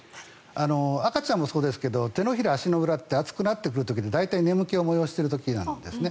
赤ちゃんもそうですが手のひら、足の裏って熱くなってくる時って大体眠気を催している時なんですね。